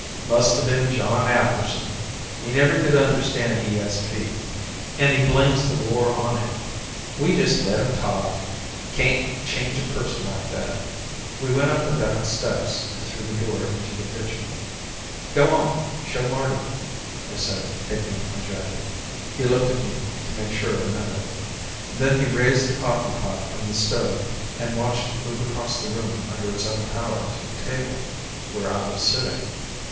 "Must have been John Atherson. He never could understand ESP, and he blames the war on it. We just let him talk; can't change a person like that." We went up the back steps and through the door into the kitchen. "Go on, show Marty," I said, taking off my jacket. He looked at me to make sure I meant it. Then he raised the coffee pot from the stove, and watched it move across the room under its own power to the table where I was sitting.